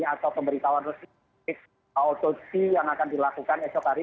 atau pemberitahuan resmi otopsi yang akan dilakukan esok hari